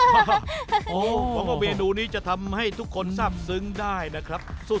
ผมหวังว่าเมนูนี้จะทำให้ทุกคนทราบซึ้งได้นะครับ